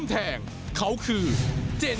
พาร์ทแทงเขาคือเจรบซูจิบะมิเชียว